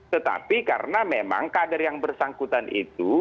tetapi karena memang kader yang bersangkutan itu